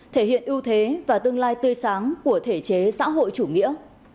thể hiện ưu thế và tương lai tươi sáng của thể chế xã hội chủ nghĩa